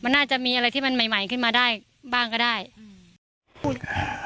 มันน่าจะมีอะไรที่มันใหม่ใหม่ขึ้นมาได้บ้างก็ได้อืมพูด